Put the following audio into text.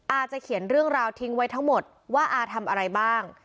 อาจะเขียนเรื่องราวทิ้งไว้ทั้งหมดว่าอาทำอะไรบ้าง